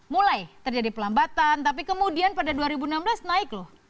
mulai terjadi pelambatan tapi kemudian pada dua ribu enam belas naik loh